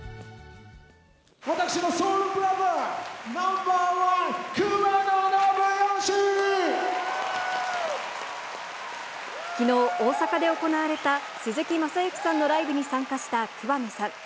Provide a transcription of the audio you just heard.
私のソウルブラザー、ナンバきのう、大阪で行われた鈴木雅之さんのライブに参加した桑野さん。